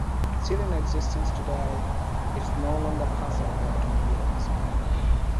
Still in existence today, it is no longer passable by automobiles.